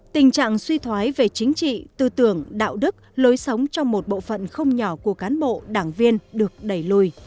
tình trạng suy thoái về chính trị tư tưởng đạo đức lối sống trong một bộ phận không nhỏ của cán bộ đảng viên được đẩy lùi